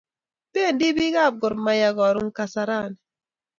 Pendi pik ab Gor mahia karun kasarani